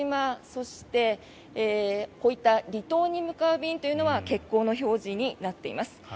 そしてこういった離島に向かう便というのは欠航の表示になっています。